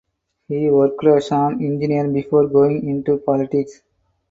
He worked as an engineer before going into politics.